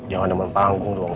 jangan nemen panggung dong